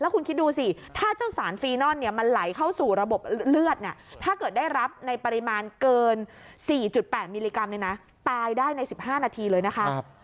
คุณคิดดูสิถ้าเจ้าสารฟีนอนเนี่ยมันไหลเข้าสู่ระบบเลือดเนี่ยถ้าเกิดได้รับในปริมาณเกิน๔๘มิลลิกรัมเนี่ยนะตายได้ใน๑๕นาทีเลยนะคะ